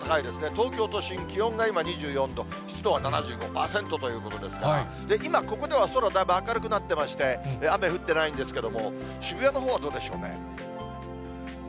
東京都心、気温が今２４度、湿度は７５％ということですから、今、ここでは空、だいぶ明るくなってまして、雨降ってないんですけれども、渋谷のほうはどうでしょうね。